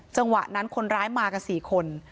จังหวะนั้นคนร้ายมากัน๔คน